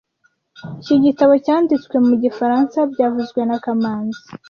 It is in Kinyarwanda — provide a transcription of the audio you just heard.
Iki gitabo cyanditswe mu gifaransa byavuzwe na kamanzi